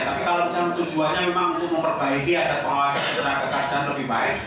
tapi kalau tujuannya memang untuk memperbaiki agar pengawasan secara kepercayaan lebih baik